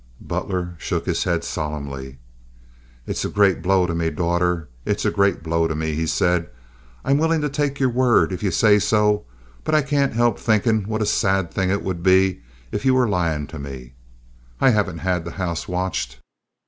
Butler shook his head solemnly. "It's a great blow to me, daughter. It's a great blow to me," he said. "I'm willing to take your word if ye say so; but I can't help thinkin' what a sad thing it would be if ye were lyin' to me. I haven't had the house watched.